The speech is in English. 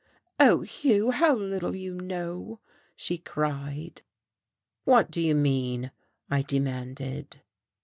"Oh, Hugh, how little you know!" she cried. "What do you mean?" I demanded.